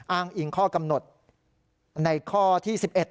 อ้างอิงข้อกำหนดในข้อที่๑๑